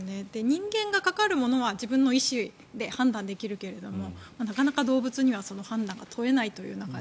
人間が関わるものは自分の意思で判断できるけどなかなか動物にはその判断が問えないという中で。